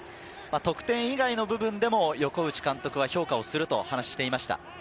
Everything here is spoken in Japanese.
得点以外の部分でも横内監督は評価すると話していました。